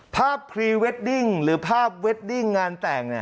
พรีเวดดิ้งหรือภาพเวดดิ้งงานแต่ง